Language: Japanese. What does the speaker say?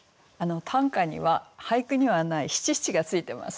短歌には俳句にはない七七がついてますね。